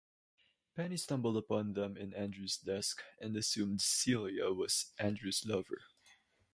Penny stumbled upon them in Andrew's desk, and assumed Celia was Andrew's lover.